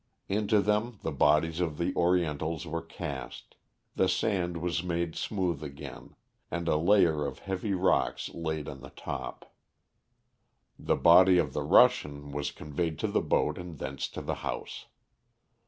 Into them the bodies of the Orientals were cast; the sand was made smooth again, and a layer of heavy rocks laid on the top. The body of the Russian was conveyed to the boat and thence to the house.